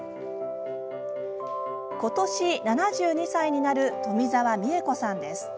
今年、７２歳になる富澤三枝子さんです。